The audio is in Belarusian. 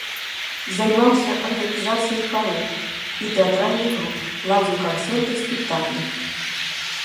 Займаўся арганізацыяй хароў і тэатральных груп, ладзіў канцэрты і спектаклі.